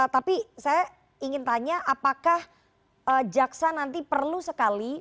tapi saya ingin tanya apakah jaksa nanti perlu sekali